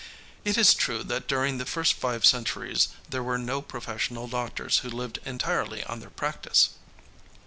It is true that during the first five centuries there were no professional doctors who lived entirely on their practice.